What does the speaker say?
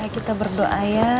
kita berdoa ya